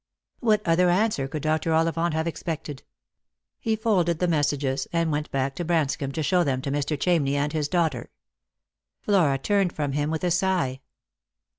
What other answer could Dr. Ollivant have expected ? He folded the messages, and went back to Branscomb to show them to Mr. Chamney and his daughter. Flora turned from him with a sigh.